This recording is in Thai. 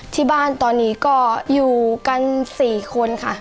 ที่บ้านตอนนี้ก็อยู่กัน๔คนค่ะ